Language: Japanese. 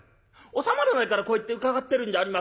「収まらないからこうやって伺ってるんじゃありませんか。